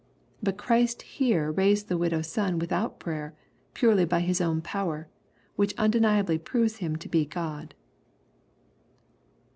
But Christ here raised the widow's son without prayer, purely by His own power ; which undeniably proves him to be God."